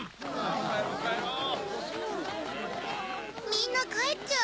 みんなかえっちゃう。